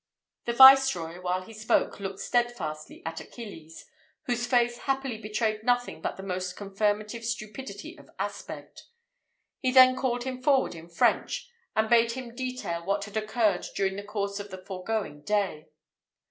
The Viceroy, while he spoke, looked steadfastly at Achilles, whose face happily betrayed nothing but the most confirmative stupidity of aspect; he then called him forward in French, and bade him detail what had occurred during the course of the foregoing day.